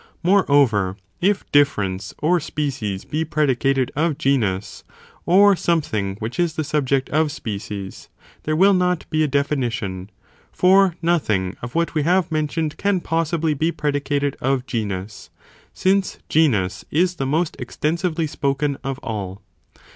eee Moreover, if difference or species be predicated . Or if differ ence or species Of genus, OF something which is the subject of be predicated —_gpecies, there will not be a definition, for nothing genus. i : of what we have mentioned can possibly be pre dicated of genus, since genus is the most extensively spoken of all.